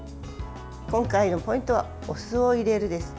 今回のポイントはお酢を入れるです。